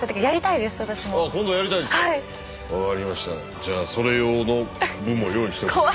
じゃあそれ用の武も用意しておきます。